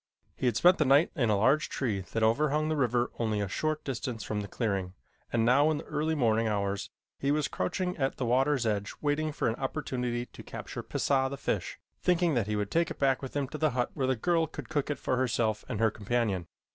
He had spent the night in a large tree that overhung the river only a short distance from the clearing, and now in the early morning hours he was crouching at the water's edge waiting for an opportunity to capture Pisah, the fish, thinking that he would take it back with him to the hut where the girl could cook it for herself and her companion.